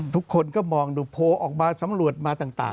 ทุกคนก็มองดูโพลออกมาสำรวจมาต่าง